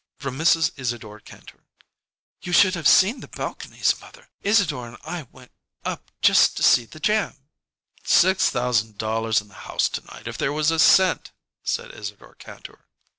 From Mrs. Isadore Kantor: "You should have seen the balconies, mother. Isadore and I went up just to see the jam." "Six thousand dollars in the house to night, if there was a cent," said Isadore Kantor.